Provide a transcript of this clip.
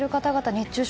熱中症